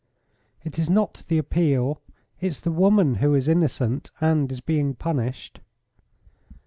"It is not the appeal; it's the woman who is innocent, and is being punished."